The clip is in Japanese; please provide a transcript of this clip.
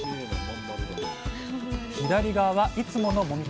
左側はいつものもみ方です。